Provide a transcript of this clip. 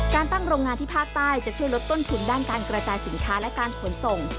การตั้งโรงงานที่ภาคใต้จะช่วยลดต้นทุนด้านการกระจายสินค้าและการขนส่ง